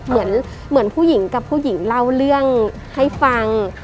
เหมือนผู้หญิงกับผู้หญิงเล่าเรื่องให้ฟัง